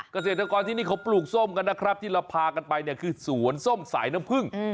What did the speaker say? เกษตรกรที่นี่เขาปลูกส้มกันนะครับที่เราพากันไปเนี่ยคือสวนส้มสายน้ำผึ้ง